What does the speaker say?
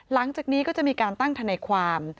หลังจากนี้ก็จะมีการตั้งทนายความ